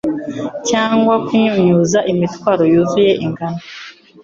Cyangwa kunyunyuza imitwaro yuzuye ingano.